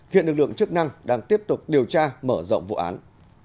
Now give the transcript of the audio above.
hiện lực lượng chức năng đang tiếp tục điều tra mở rộng vụ án